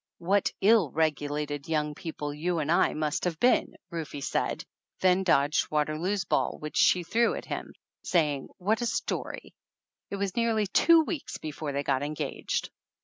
"What ill regulated young people you and I must have been !" Rufe said, then dodged Water loo's ball which she threw at him, saying what a story! It was nearly two weeks before they got engaged.